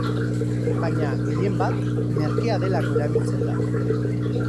Baina, gehienbat, merkea delako erabiltzen da.